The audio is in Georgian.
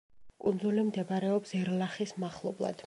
კუნძული მდებარეობს ერლახის მახლობლად.